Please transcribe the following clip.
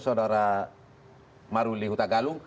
saudara maruli hutagalung